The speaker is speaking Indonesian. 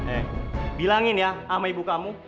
eh bilangin ya sama ibu kamu